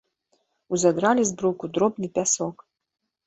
Узадралі з бруку дробны пясок.